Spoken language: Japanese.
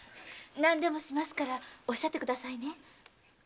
何でもしますからおっしゃってくださいね。